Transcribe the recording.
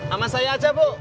amat saya aja bu